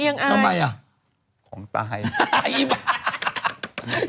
อ๋อนี่ยังไม่เลาใจพอ